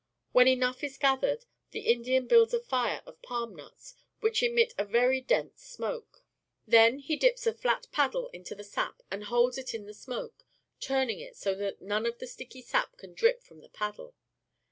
WTien enough is gathered, the Indian builds a fire of palm nuts, which emit a very dense smoke. Then he dips a flat paddle into the sap and holds it in the smoke, turning it so that none of the sticky sap can drip from the paddle.